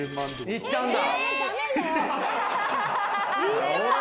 行っちゃうんだ。